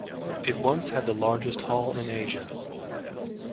It once had the largest hall in Asia.